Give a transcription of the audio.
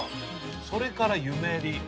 それからゆめ莉